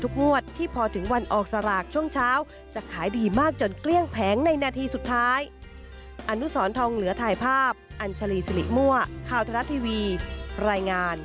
ก็คืนเค้าก็ไม่ได้อยู่แล้วคืนไม่ได้